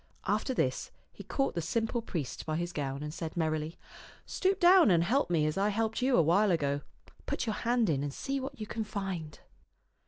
After this he caught the simple priest by his gown and said merrily, " Stoop down and help me as I helped you a while ago. Put your hand in and see what you can find."